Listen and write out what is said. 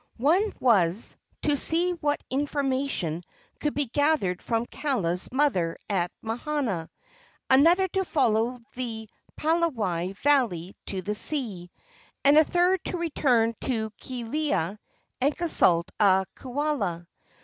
One was, to see what information could be gathered from Kaala's mother at Mahana, another to follow the Palawai valley to the sea, and a third to return to Kealia and consult a kaula.